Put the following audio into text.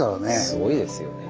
すごいですよね。